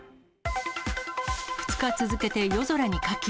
２日続けて夜空に火球。